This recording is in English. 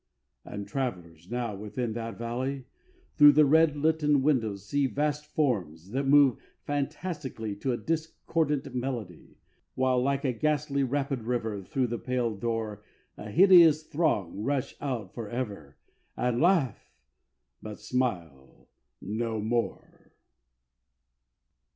And travellers, now, within that valley, Through the red litten windows see Vast forms, that move fantastically To a discordant melody, While, like a ghastly rapid river, Through the pale door A hideous throng rush out forever And laugh but smile no more.